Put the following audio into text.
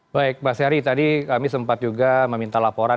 baik mbak syari tadi kami sempat juga meminta laporan